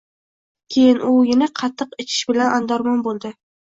Keyin u yana qatiq ichish bilan andarmon bo`ldi